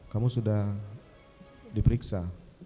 kamu sudah diperiksa